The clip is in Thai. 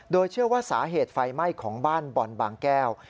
โดยเชื่อว่าสาเหตุไฟไหม้ของบ้านบ่อนบางแก้ว